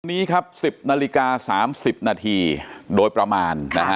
วันนี้ครับ๑๐๓๐นโดยประมาณ